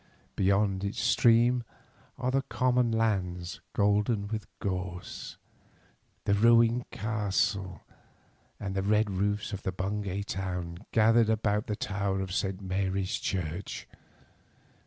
Beyond its stream are the common lands golden with gorse, the ruined castle, and the red roofs of Bungay town gathered about the tower of St. Mary's Church.